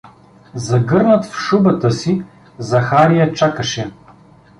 Загърнат в шубата си, Захария чакаше.